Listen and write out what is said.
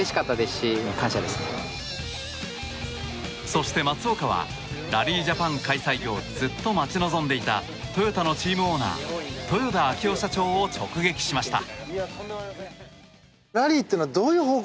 そして松岡はラリー・ジャパン開催をずっと待ち望んでいたトヨタのチームオーナー豊田章男社長を直撃しました。